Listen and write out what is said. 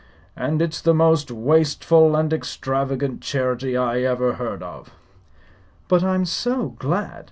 And it's the most wasteful and extravagant charity I ever heard of." "But I'm so glad!"